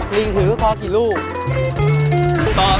มืดหัวนิดหน่อย